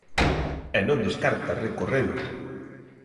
E non descarta recorrelo.